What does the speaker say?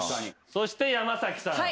そして山さん。